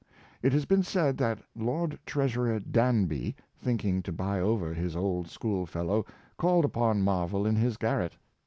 It has been said that Lord Treasurer Danby, think ing to buy over his old school fellow, called upon Mar vell in his garret.